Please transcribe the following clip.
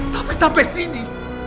tapi sampai sini